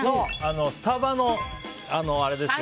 スタバのあれですよ。